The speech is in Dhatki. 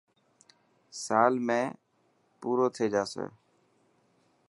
سال ۾ پورو ٿي جاسي.